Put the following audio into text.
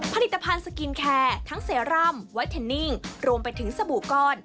ผลิตภัณฑ์สกินแคร์ทั้งเซรั่มไวเทนนิ่งรวมไปถึงสบู่ก้อน